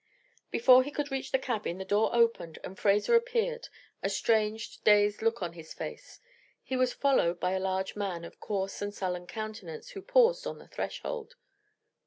Before he could reach the cabin the door opened and Fraser appeared, a strange, dazed look on his face. He was followed by a large man of coarse and sullen countenance, who paused on the threshold.